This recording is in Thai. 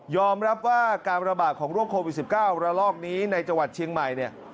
รับว่าการระบาดของโรคโควิด๑๙ระลอกนี้ในจังหวัดเชียงใหม่เนี่ย